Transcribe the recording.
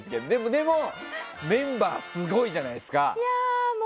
でも、メンバーがすごいじゃないですか。